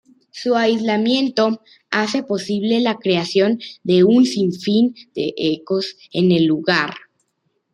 Su aislamiento hace posible la creación de un sinfín de ecos en el lugar.